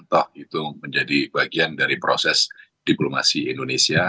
toh itu menjadi bagian dari proses diplomasi indonesia